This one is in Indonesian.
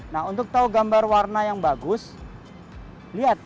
nah untuk tahu gambar warna yang bagus lihat